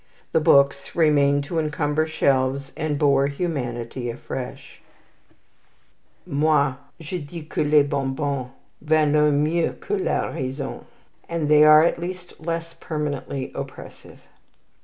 The books remained to encumber shelves, and bore humanity afresh. "Mol, je dis que les bonbons Valent mieux que la raison"; and they are at least less permanently oppressive.